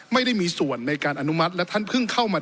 ไม่ได้มีส่วนในการอนุมัติและท่านเพิ่งเข้ามา